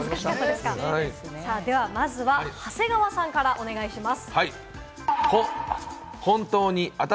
まずは長谷川さんからお願いします。